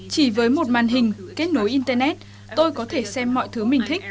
chỉ với một màn hình kết nối internet tôi có thể xem mọi thứ mình thích